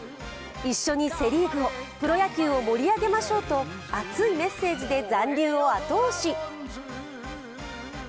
一緒にセ・リーグを、プロ野球を盛り上げましょう！と熱いメッセージで残留を後押し。